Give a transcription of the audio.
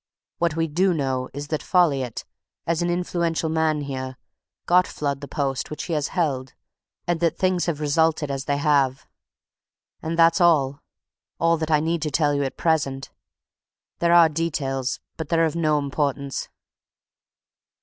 What we do know is that Folliot, as an influential man here, got Flood the post which he has held, and that things have resulted as they have. And that's all! all that I need tell you at present. There are details, but they're of no importance."